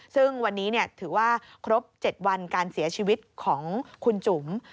ซึ่งวันนี้ถือว่าครบ๗วันการเสียชีวิตของคุณจุ๋ม